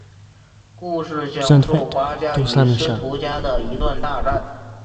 故事讲述华家与司徒家的一段大战。